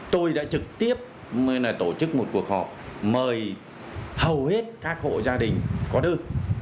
tôi đã trực tiếp tổ chức một cuộc họp mời hầu hết các hộ gia đình có đơn